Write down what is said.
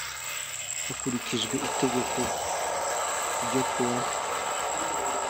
hakurikijwe itegeko n ryo ku wa